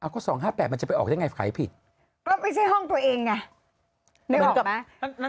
ก็๒๕๘มันจะไปออกได้ไงขายผิดก็ไม่ใช่ห้องตัวเองไงนึกออกไหม